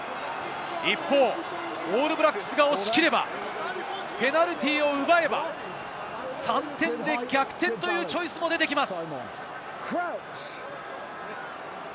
一方、オールブラックスが押し切れば、ペナルティーを奪えば３点で逆転というチョイスも出てきます。